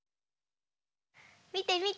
みてみて。